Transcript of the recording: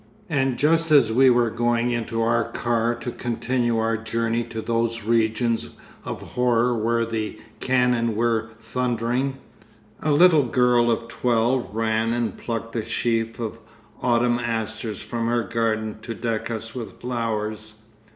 And just as we were going into our car to continue our journey to those regions of horror where the cannon were thundering, a little girl of twelve ran and plucked a sheaf of autumn asters from her garden to deck us with flowers.